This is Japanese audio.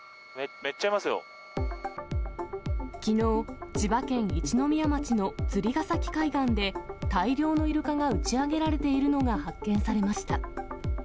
きのう、千葉県一宮町の釣ヶ崎海岸で、大量のイルカが打ち上げられているのが発見されました。